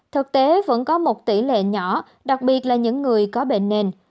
thực tế vẫn có một tỷ lệ nhỏ đặc biệt là những người có bệnh nền